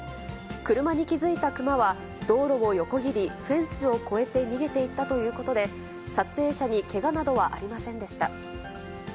車に気付いたクマは、道路を横切り、フェンスを越えて逃げていったということで、撮影者にけがなどはありませんでした。